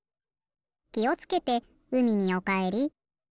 「きをつけてうみにおかえり」。